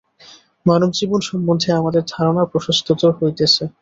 মানবজীবন সম্বন্ধে আমাদের ধারণা প্রশস্ততর হইতেছে।